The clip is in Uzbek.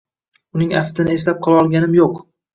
Uning aftini eslab qololganim yo`q